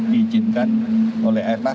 dijinkan oleh eta